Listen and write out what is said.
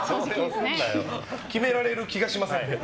決められる気がしません。